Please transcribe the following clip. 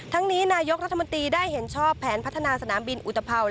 นี้นายกรัฐมนตรีได้เห็นชอบแผนพัฒนาสนามบินอุตภัว